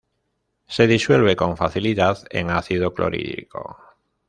Se disuelve con facilidad en ácido clorhídrico.